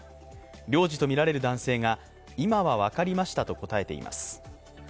領事とみられる男性が今は分かりましたと答えています。